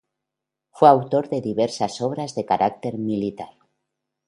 Fue autor de diversas obras de carácter militar.